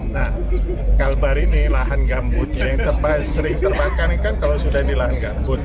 nah kalbar ini lahan gambutnya yang sering terbakar kan kalau sudah di lahan gambut